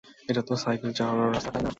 এটা তো সাইকেল চালানোর রাস্তা, তাই না?